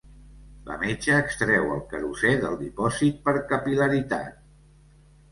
La metxa extreu el querosè del dipòsit per capil·laritat.